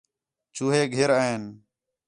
چوہے گِھر آئِن